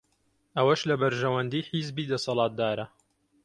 ئەوەش لە بەرژەوەندیی حیزبی دەسەڵاتدارە